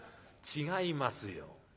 違いますよ。